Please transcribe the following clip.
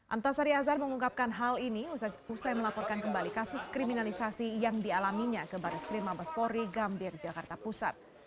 antasari azhar mengungkapkan hal ini usai melaporkan kembali kasus kriminalisasi yang dialaminya ke baris krim mabespori gambir jakarta pusat